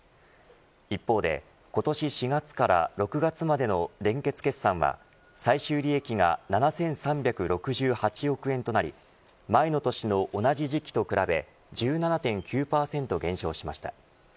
一方で、今年４月から６月までの連結決算は最終利益が７３６８億円となり前の年の同じ時期と比べ１７．９％減少しました。